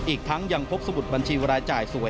อีกทั้งยังพบสมุดบัญชีรายจ่ายสวย